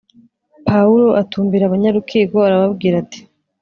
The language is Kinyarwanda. Pawulo atumbira abanyarukiko arababwira ati